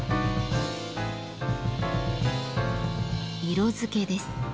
色付けです。